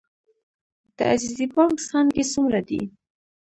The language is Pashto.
د عزیزي بانک څانګې څومره دي؟